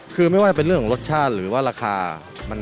คือไม่ว่าเป็นเรื่องของรสชาติหรือว่าราคา